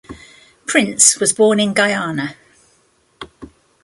Prince was born in Guyana.